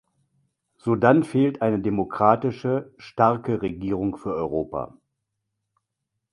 Sodann fehlt eine demokratische, starke Regierung für Europa.